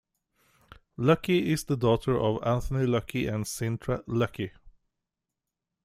Lucky is the daughter of Anthony Lucky and Cintra Lucky.